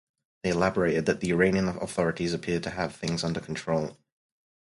They elaborated that the Iranian authorities "appeared to have things under control".